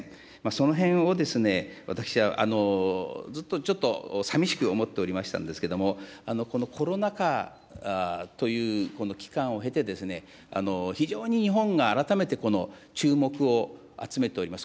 そのへんを私は、ずっとちょっとさみしく思っておりましたんですけれども、このコロナ禍という期間を経て、非常に日本が改めて注目を集めております。